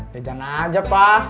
jajan aja pak